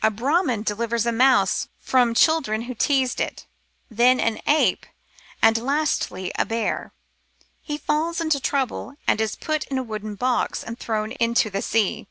A Brahmin delivers a mouse from children who teased it, then an ape, and lastly a bear. He falls into trouble and is put in a wooden box and thrown into the sea.